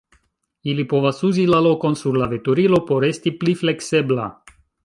Ili povas uzi la lokon sur la veturilo por esti pli fleksebla.